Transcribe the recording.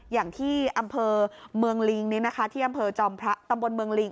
อย่างที่อำเภอเมืองลิงที่อำเภอจอมพระตำบลเมืองลิง